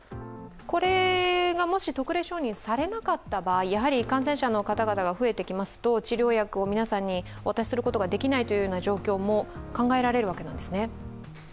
これがもし特例承認されなかった場合、感染者の方々が増えてきますと、治療薬を皆さんにお渡しすることができないという状況も考えられるわけですね。